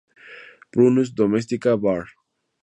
Prunus domestica var.